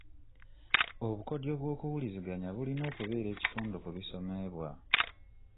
Obukodyo bw'okuwuliziganya bulina okubeera ekitundu ku bisomebwa.